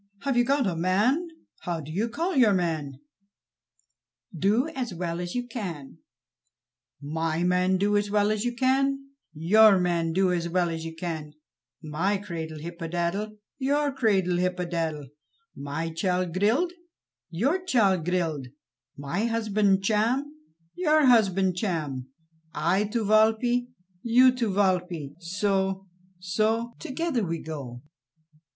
"Have you got a man? How do you call your man?" "Do as well as you can." "My man Do as well as you can, your man Do as well as you can; my cradle Hippodadle, your cradle Hippodadle; my child Grild, your child Grild; my husband Cham, your husband Cham; I to Walpe, you to Walpe; so, so, together we go."